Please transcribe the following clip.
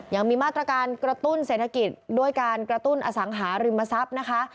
ยังมีมาตรการกระตุ้นเศรษฐกิจด้วยการกระตุ้นอสังหาริมทรัพย์นะคะ